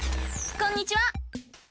こんにちは！